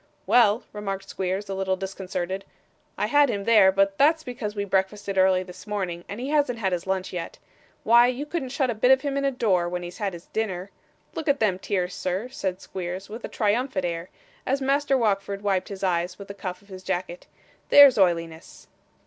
'Well,' remarked Squeers, a little disconcerted, 'I had him there; but that's because we breakfasted early this morning, and he hasn't had his lunch yet. Why you couldn't shut a bit of him in a door, when he's had his dinner. Look at them tears, sir,' said Squeers, with a triumphant air, as Master Wackford wiped his eyes with the cuff of his jacket, 'there's oiliness!